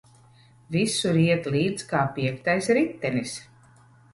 Visur iet līdz kā piektais ritenis.